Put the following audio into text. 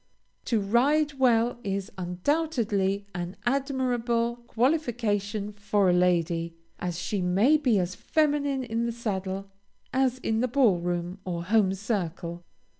To ride well is undoubtedly an admirable qualification for a lady, as she may be as feminine in the saddle as in the ball room or home circle.